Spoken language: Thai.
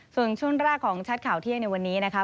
ส่วนช่วงแรกของชัดข่าวเที่ยงในวันนี้นะคะ